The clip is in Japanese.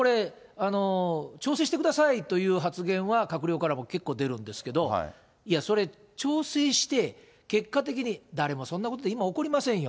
調整してくださいという発言は、閣僚からも結構出るんですけれども、いや、それ調整して、結果的に、誰もそんなことで今、怒りませんよ。